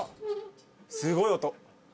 ・すごい音。